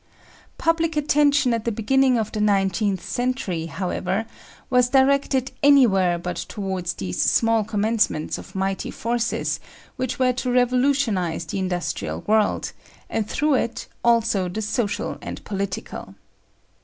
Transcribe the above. Public attention at the beginning of the nineteenth century, however, was directed anywhere but towards these small commencements of mighty forces which were to revolutionise the industrial world, and through it also the social and political.